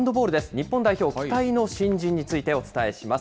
日本代表、期待の新人についてお伝えします。